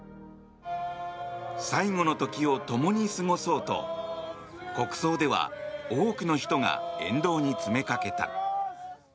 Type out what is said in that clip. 最後の時を共に過ごそうと国葬では多くの人が沿道に詰めかけた。